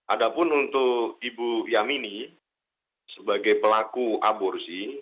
adapun untuk ibu yamini sebagai pelaku aborsi